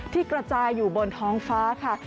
ที่กระจายอยู่บนท้องฟ้าค่ะ